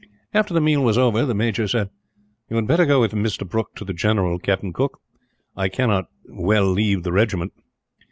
After the meal was over, the major said: "You had better go with Mr. Brooke to the general, Captain Cooke. I cannot well leave the regiment.